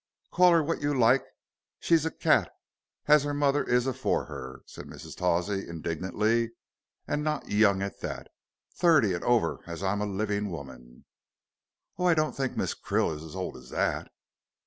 "Call her what you like, she's a cat as her mother is afore her," said Mrs. Tawsey, indignantly, "and not young at that. Thirty and over, as I'm a livin' woman." "Oh, I don't think Miss Krill is as old as that."